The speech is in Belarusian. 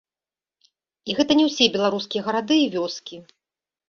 І гэта не ўсе беларускія гарады і вёскі.